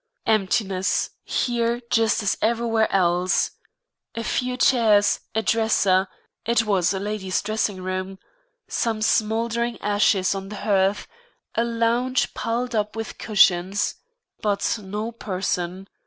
Emptiness here just as everywhere else. A few chairs, a dresser, it was a ladies' dressing room, some smouldering ashes on the hearth, a lounge piled up with cushions. But no person.